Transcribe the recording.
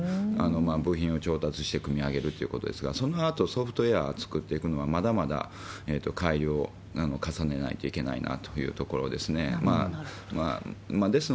部品を調達して組み上げるということですが、そのあとソフトウエアを作っていくのがまだまだ改良重ねないといけないなというところですね。